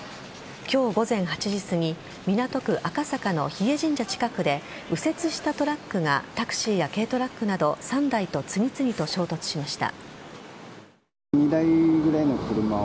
今日午前８時すぎ港区赤坂の日枝神社近くで右折したトラックがタクシーや軽トラックなど３台と次々と衝突しました。